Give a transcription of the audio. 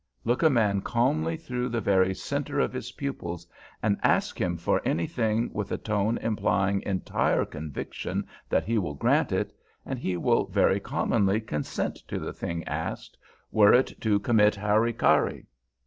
Look a man calmly through the very centre of his pupils and ask him for anything with a tone implying entire conviction that he will grant it, and he will very commonly consent to the thing asked, were it to commit hari kari.